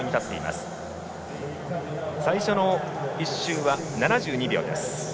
最初の１周は７２秒。